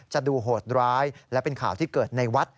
จะดูโหดร้ายและเป็นข่าวที่เกิดในวัด